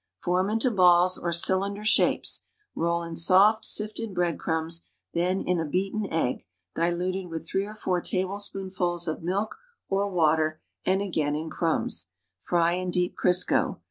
Form into balls or cylinder shapes, roll in soft, sifted bread crumbs then in a beaten egg, diluted with three or four tablespoonfuls of milk or water, and again in crumbs. Fry in deep Crisco.